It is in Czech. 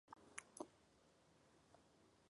Jeho věk je jen několik stovek let.